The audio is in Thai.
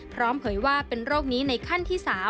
เผยว่าเป็นโรคนี้ในขั้นที่๓